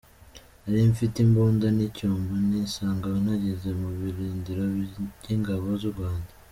Nari mfite imbunda n’icyombo nisanga nageze mu birindiro by’ingabo z’u Rwanda.